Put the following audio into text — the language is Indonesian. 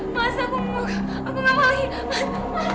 mas aku mau mandas